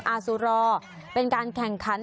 อาซูรอเป็นการแข่งขัน